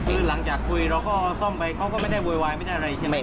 คือหลังจากคุยเราก็ซ่อมไปเขาก็ไม่ได้โวยวายไม่ได้อะไรใช่ไหม